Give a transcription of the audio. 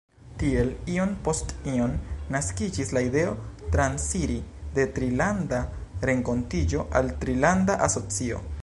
Tiel, iom post iom, naskiĝis la ideo transiri de Trilanda Renkontiĝo al trilanda asocio.